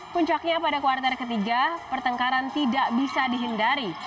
puncaknya pada kuartal ketiga pertengkaran tidak bisa dihindari